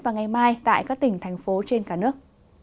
và ngày mai tại các tỉnh thành phố trên cả nước